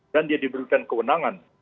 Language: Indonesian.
dan dia diberikan keundangan